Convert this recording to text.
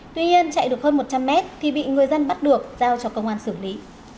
tuy nhiên chạy được hơn một trăm linh mét thì bị người dân bắt được giao cho công an xử lý